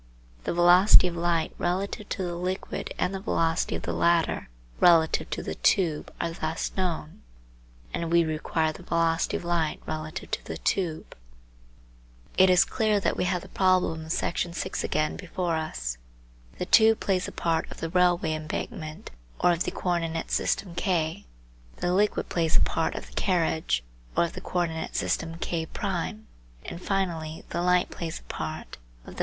The velocity of light relative to the liquid and the velocity of the latter relative to the tube are thus known, and we require the velocity of light relative to the tube. It is clear that we have the problem of Section 6 again before us. The tube plays the part of the railway embankment or of the co ordinate system K, the liquid plays the part of the carriage or of the co ordinate system K1, and finally, the light plays the part of the Figure 03: file fig03.